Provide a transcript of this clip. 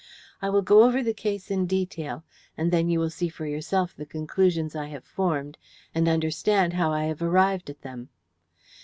I will go over the case in detail, and then you will see for yourself the conclusions I have formed, and understand how I have arrived at them.